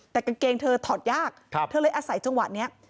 แต่กางเกงเธอถอดยากเธอเลยอาศัยจังหวะนี้